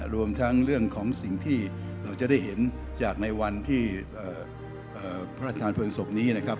รวมทั้งเรื่องของสิ่งที่เราจะได้เห็นจากในวันที่พระราชทานเพลิงศพนี้นะครับ